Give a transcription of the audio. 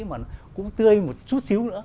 mà nó cũng tươi một chút xíu nữa